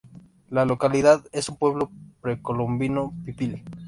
La localidad es un pueblo precolombino pipil.